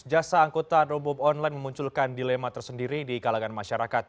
jasa angkutan robo online memunculkan dilema tersendiri di kalangan masyarakat